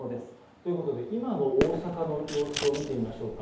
ということで今の大阪の様子を見てみましょうか。